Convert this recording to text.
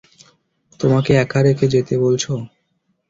তোমাকে একা রেখে যেতে বলছো?